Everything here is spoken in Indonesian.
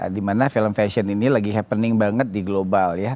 dimana film fashion ini lagi happening banget di global ya